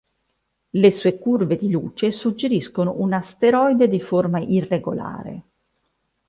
Le sue curve di luce suggeriscono un asteroide di forma irregolare.